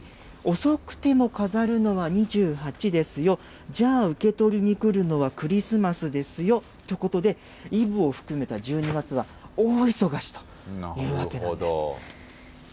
遅くても飾るのは２８ですよ、じゃあ受け取りに来るのは、クリスマスですよってことで、イブを含めた１２月は、大忙しというわけなんです。